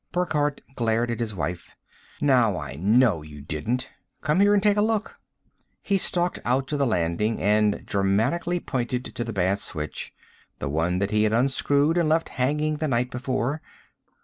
Burckhardt glared at his wife. "Now I know you didn't! Come here and take a look!" He stalked out to the landing and dramatically pointed to the bad switch, the one that he had unscrewed and left hanging the night before....